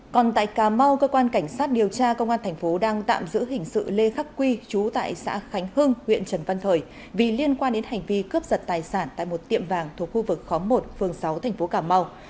còn tại cà mau cơ quan cảnh sát điều tra công an thành phố đang tạm giữ hình sự lê khắc quy chú tại xã khánh hưng huyện trần văn thời vì liên quan đến hành vi cướp giật tài sản tại một tiệm vàng thuộc khu vực khóm một phường sáu tp cà mau